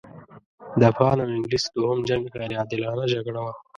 د افغان او انګلیس دوهم جنګ غیر عادلانه جګړه وه.